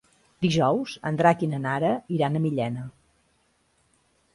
Dijous en Drac i na Nara iran a Millena.